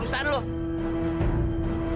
itu binatang atau orang sih